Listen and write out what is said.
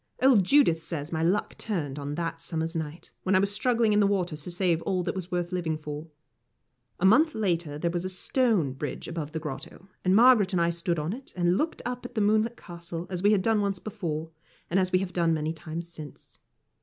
Old Judith says my luck turned on that summer's night, when I was struggling in the water to save all that was worth living for. A month later there was a stone bridge above the grotto, and Margaret and I stood on it, and looked up at the moonlit Castle, as we had done once before, and as we have done many times since.